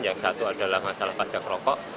yang satu adalah masalah pajak rokok